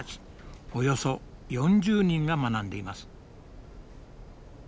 およそ４０人が学んでいます。